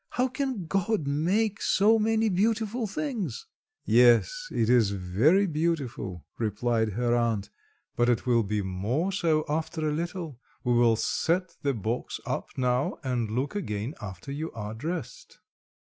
"How can God make so many beautiful things?" "Yes, it is very beautiful," replied her aunt, "but it will be more so after a little; we will set the box up now and look again after you are dressed."